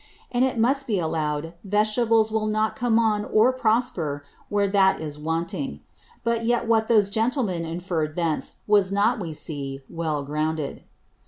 And it must be allow'd Vegetables will not come on or prosper where that is wanting: But yet what those Gentlemen inferr'd thence, was not, we see, well grounded.